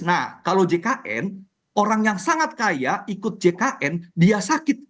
nah kalau jkn orang yang sangat kaya ikut jkn dia sakit